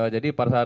jadi pada saat